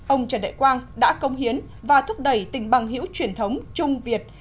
ông trần đại quang đã công hiến và thúc đẩy tình bằng hữu truyền thống trung việt